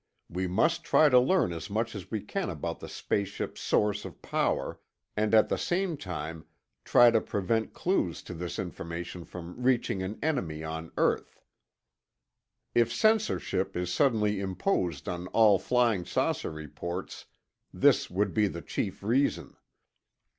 We must try to learn as much as we can about the space ships' source of power, and at the same time try to prevent clues to this information from reaching an enemy on earth, If censorship is suddenly imposed on all flying saucer reports, this will be the chief reason.